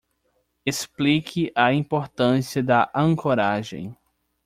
Explique a importância da ancoragem